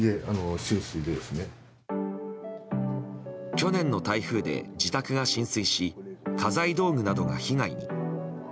去年の台風で自宅が浸水し家財道具などが被害に。